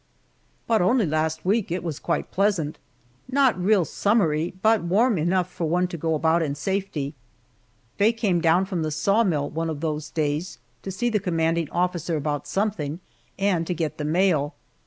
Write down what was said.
But only last week it was quite pleasant not real summery, but warm enough for one to go about in safety. Faye came down from the saw mill one of those days to see the commanding officer about something and to get the mail.